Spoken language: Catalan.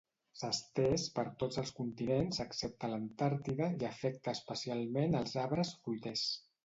S'ha estès per tots els continents excepte l'Antàrtida i afecta especialment els arbres fruiters.